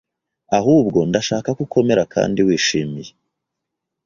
Ahubwo, ndashaka ko ukomera kandi wishimiye